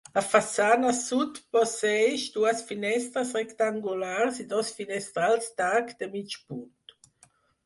La façana sud posseeix dues finestres rectangulars i dos finestrals d'arc de mig punt.